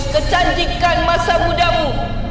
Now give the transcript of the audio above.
kecantikan masa mudamu